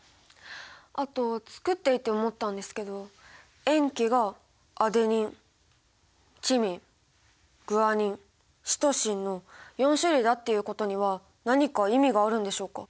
あと作っていて思ったんですけど塩基がアデニンチミングアニンシトシンの４種類だっていうことには何か意味があるんでしょうか？